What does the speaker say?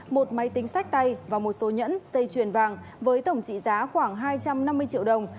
một máy tính sách tay và một số nhẫn dây chuyền vàng với tổng trị giá khoảng hai trăm năm mươi triệu đồng